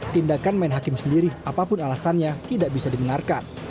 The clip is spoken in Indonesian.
tindakan main hakim sendiri apapun alasannya tidak bisa didengarkan